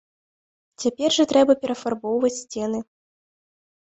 Цяпер жа трэба перафарбоўваць сцены.